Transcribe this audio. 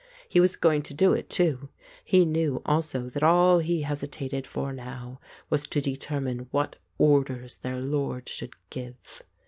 He was going to do it too; he knew also that all he hesitated for now was to determine what orders their lord should give.